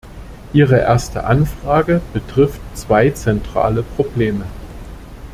Ihre erste Anfrage betrifft zwei zentrale Probleme.